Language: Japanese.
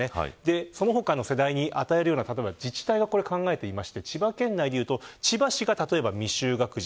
その他の世代に与えるような自治体は考えていまして千葉県内でいえば千葉市が未就学児。